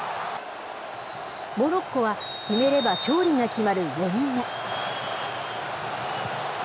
モロッコは決めれば勝利が決まる４人目。